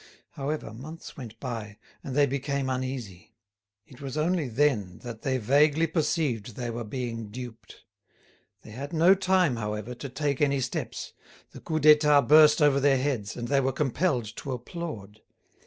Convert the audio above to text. [*] However, months went by, and they became uneasy. It was only then that they vaguely perceived they were being duped: they had no time, however, to take any steps; the Coup d'État burst over their heads, and they were compelled to applaud.